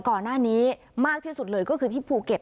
ก่อนหน้านี้มากที่สุดเลยก็คือที่ภูเก็ต